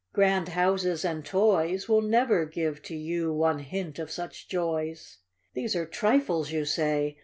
Grand houses and toys Will never give to you one hint of such joys! These are trifles, you say!